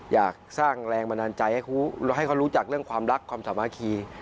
อยากสร้างแรงบันดาลใจให้เขารู้จักเรื่องความรักความสามัคคี